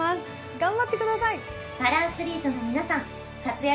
頑張ってください！